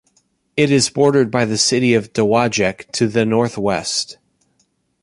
It is bordered by the city of Dowagiac to the northwest.